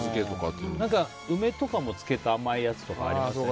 梅とかも漬けた甘いやつありますね。